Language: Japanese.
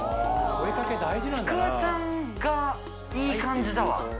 覆个拭ちくわちゃんがいい感じだわ。